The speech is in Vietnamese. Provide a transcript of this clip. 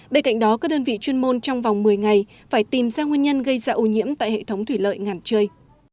bên cạnh đó các đơn vị chuyên môn trong vòng một mươi ngày phải tìm ra nguyên nhân gây ra ô nhiễm tại hệ thống thủy lợi ngàn trươi